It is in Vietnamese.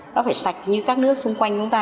nó phải sạch như các nước xung quanh chúng ta